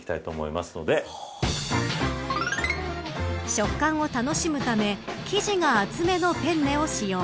食感を楽しむため生地が厚めのペンネを使用。